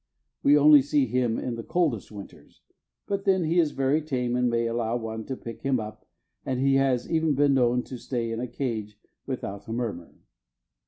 We only see him in the coldest winters, but then he is very tame and may allow one to pick him up, and he has even been known to stay in a cage without a murmur.